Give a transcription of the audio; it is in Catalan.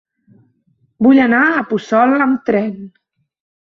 Vull anar a Puçol amb tren.